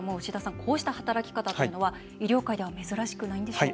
こうした働き方というのは医療界では珍しくないんでしょうか？